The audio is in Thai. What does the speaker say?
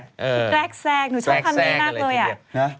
แกรกแซกหนูชอบทำเนี้ยนากเลย